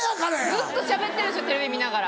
ずっとしゃべってるでしょテレビ見ながら。